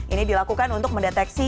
ini dilakukan untuk mendeteksi